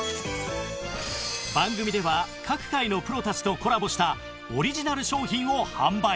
番組では各界のプロたちとコラボしたオリジナル商品を販売